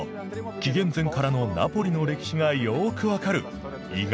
紀元前からのナポリの歴史がよく分かる意外な場所があるんです。